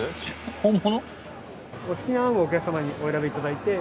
本物？